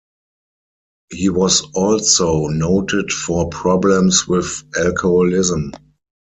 He was also noted for problems with alcoholism.